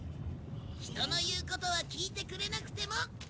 人の言うことは聞いてくれなくても。